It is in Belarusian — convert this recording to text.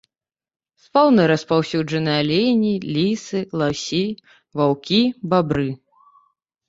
З фаўны распаўсюджаныя алені, лісы, ласі, ваўкі, бабры.